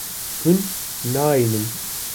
Hûn nayînin.